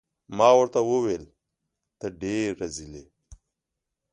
ما ورته وویل: ته ډیر رزیل يې.